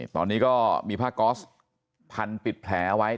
ตอนนี้ก็มีผ้าก๊อสพันปิดแผลไว้